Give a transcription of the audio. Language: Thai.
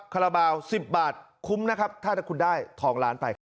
คาราบาล๑๐บาทคุ้มนะครับถ้าคุณได้ทองล้านไป